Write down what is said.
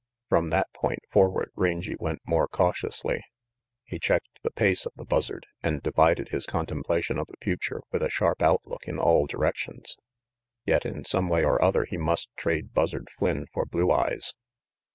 From that point forward Rangy went more cautiously. He checked the pace of the Buzzard and divided his contemplation of the future with a sharp outlook in all directions. Yes, in some way or other he must trade Buzzard Flynn for Blue Eyes.